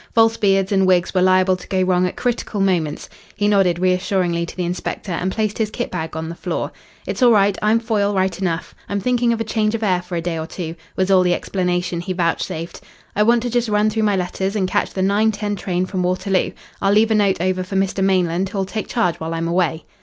False beards and wigs were liable to go wrong at critical moments. He nodded reassuringly to the inspector and placed his kit bag on the floor. "It's all right, I'm Foyle right enough. I'm thinking of a change of air for a day or two," was all the explanation he vouchsafed. "I want to just run through my letters and catch the nine ten train from Waterloo. I'll leave a note over for Mr. Mainland, who'll take charge while I'm away."